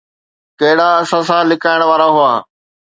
ڪهڙا اثاثا لڪائڻ وارا هئا؟